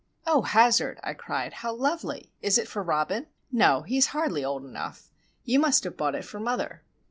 "Oh, Hazard!" I cried. "How lovely! Is it for Robin? No,—he is hardly old enough. You must have bought it for mother."